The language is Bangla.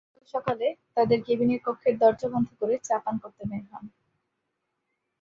গতকাল সকালে তাঁদের কেবিনের কক্ষের দরজা বন্ধ করে চা-পান করতে বের হন।